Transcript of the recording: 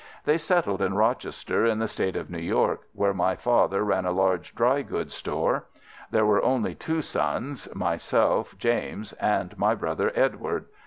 They settled in Rochester, in the State of New York, where my father ran a large dry goods store. There were only two sons: myself, James, and my brother, Edward.